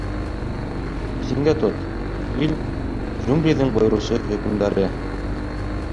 Иҫендә тот: Фил — джунглиҙың бойороусы Хөкөмдары.